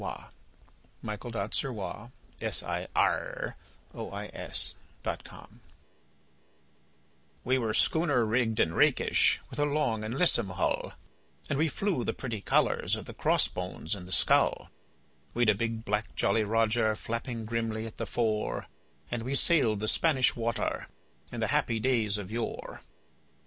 A BALLAD OF JOHN SILVER 7i A BALLAD OF JOHN SILVER We were schooner rigged and rakish, with a long and lissome hull, And we flew the pretty colours of the cross bones and the skull; We'd a big black Jolly Roger flapping grimly at the fore, And we sailed the Spanish Water in the happy days of yore.